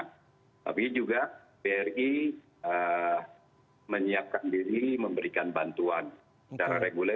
tapi juga bri menyiapkan diri memberikan bantuan secara reguler